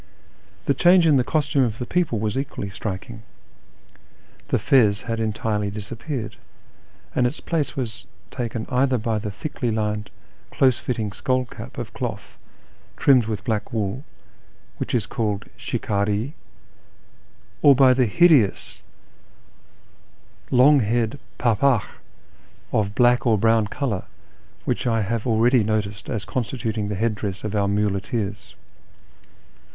The change in the costume of the people was equally striking : the fez had entirely disappeared, and its place was taken either by the thickly lined, close fitting skull cap of cloth trimmed with black wool, which is called " shikciH" or by the hideous long haired pdpdkh of black or brown colour which I have already noticed as constituting the head dress of our muleteers.